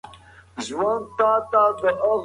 د دلارام ولسوالي د لوېدیځ زون یو مهم امنیتي کمربند دی